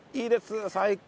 最高！